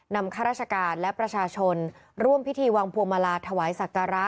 ข้าราชการและประชาชนร่วมพิธีวางพวงมาลาถวายศักระ